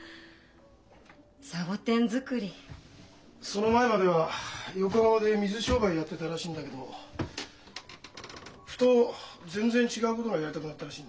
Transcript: その前までは横浜で水商売やってたらしいんだけどふと全然違うことがやりたくなったらしいんだ。